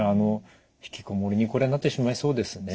引きこもりにこれはなってしまいそうですよね。